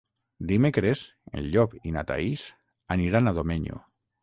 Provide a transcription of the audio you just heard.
Dimecres en Llop i na Thaís aniran a Domenyo.